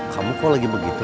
kamu kok lagi begitu